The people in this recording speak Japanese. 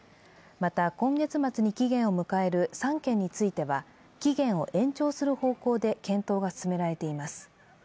また、今月末に期限を迎える３県については期限を延長する方向で検討が進められています。